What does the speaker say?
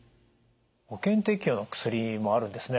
保険適用の薬もあるんですね。